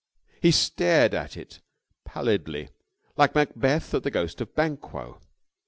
He stared at it pallidly, like Macbeth at the ghost of Banquo.